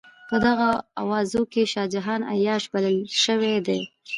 په دغو اوازو کې شاه جهان عیاش بلل شوی دی.